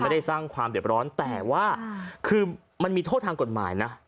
ได้สร้างความเด็บร้อนแต่ว่าคือมันมีโทษทางกฎหมายนะ